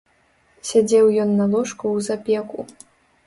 Сядзеў ён на ложку ў запеку.